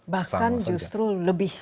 bahkan justru lebih